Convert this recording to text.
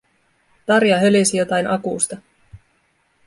Tarja hölisi jotain akusta.